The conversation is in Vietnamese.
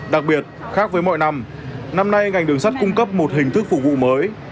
đặc biệt khác với mọi năm năm nay ngành đường sắt cung cấp một hình thức phục vụ mới